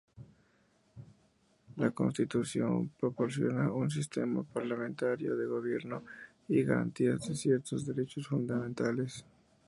La constitución proporciona un sistema parlamentario de gobierno y garantías de ciertos derechos fundamentales.